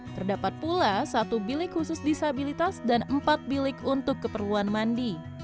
terdapat pula satu bilik khusus disabilitas dan empat bilik untuk keperluan mandi